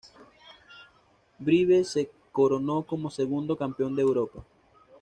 Brive se coronó como segundo Campeón de Europa.